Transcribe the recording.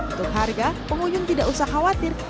untuk harga pengunjung tidak usah khawatir